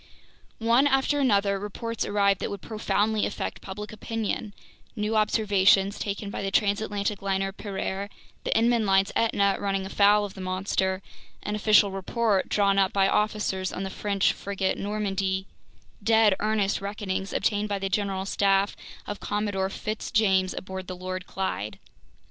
One after another, reports arrived that would profoundly affect public opinion: new observations taken by the transatlantic liner Pereire, the Inman line's Etna running afoul of the monster, an official report drawn up by officers on the French frigate Normandy, dead earnest reckonings obtained by the general staff of Commodore Fitz James aboard the Lord Clyde.